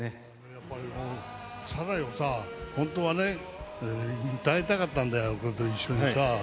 やっぱりサライをさ、本当はね、歌いたかったんだよ、一緒にさ。